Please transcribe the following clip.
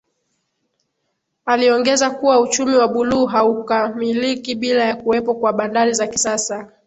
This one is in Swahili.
Aliongeza kuwa uchumi wa Buluu haukamiliki bila ya kuwepo kwa Bandari za kisasa